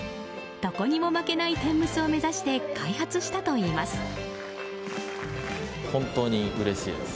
どこにも負けない天むすを目指して開発したといいます。